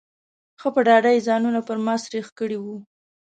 ښه په ډاډه یې ځانونه پر ما سرېښ کړي وو.